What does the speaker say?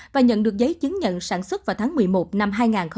và nhận được giấy chứng nhận sản xuất vào tháng một mươi một năm hai nghìn hai mươi